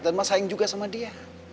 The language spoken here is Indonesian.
dan mas sayang juga sama dia